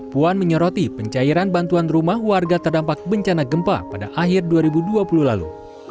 puan menyoroti pencairan bantuan rumah warga terdampak bencana gempa pada akhir dua ribu dua puluh lalu